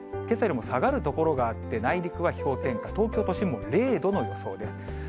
けさよりも下がる所があって、内陸は氷点下、東京都心も０度の予想です。